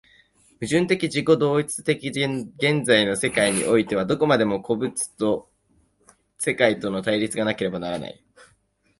矛盾的自己同一的現在の世界においては、どこまでも個物と世界との対立がなければならない。